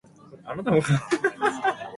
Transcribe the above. Both units have the same outward appearance.